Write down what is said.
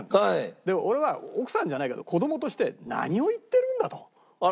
で俺は奥さんじゃないけど子供として「何を言ってるんだ」と思ったやっぱり。